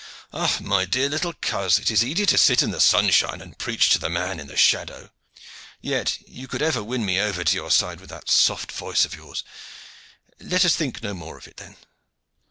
"Ah! my dear little coz, it is easy to sit in the sunshine and preach to the man in the shadow. Yet you could ever win me over to your side with that soft voice of yours. Let us think no more of it then.